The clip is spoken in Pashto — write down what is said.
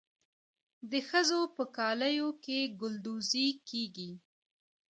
د ښځو په کالیو کې ګلدوزي کیږي.